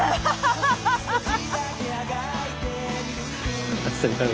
ハハハハハ！